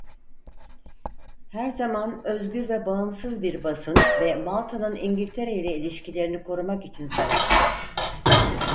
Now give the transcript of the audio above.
Her zaman özgür ve bağımsız bir basın ve Malta'nın İngiltere ile ilişkilerini korumak için savaştı.